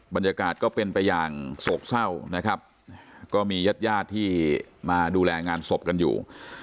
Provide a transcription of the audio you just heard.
บรรยากาศก็เป็นไปอย่างโศกเศร้านะครับก็มีญาติญาติที่มาดูแลงานศพกันอยู่